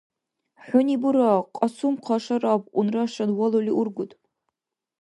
— Хӏуни бура, Кьасумхъа Шарап, унрашан, валули ургуд.